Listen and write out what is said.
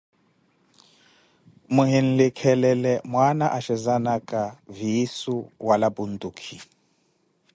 Muhinlikhelele mwaana axhezanaka viisu wala puntukhi.